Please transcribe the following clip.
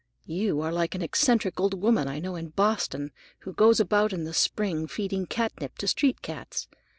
You are like an eccentric old woman I know in Boston, who goes about in the spring feeding catnip to street cats.